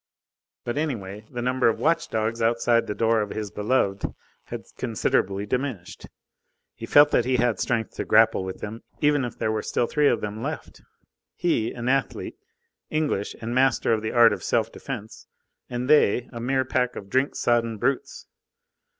But, anyway, the number of watch dogs outside the door of his beloved had considerably diminished. He felt that he had the strength to grapple with them, even if there were still three of them left. He, an athlete, English, and master of the art of self defence; and they, a mere pack of drink sodden brutes!